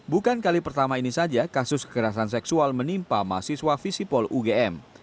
bukan kali pertama ini saja kasus kekerasan seksual menimpa mahasiswa visipol ugm